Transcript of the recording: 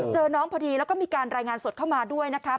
เจอน้องพอดีแล้วก็มีการรายงานสดเข้ามาด้วยนะคะ